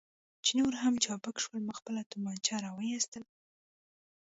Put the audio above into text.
چې نور هم چابک شول، ما خپله تومانچه را وایستل.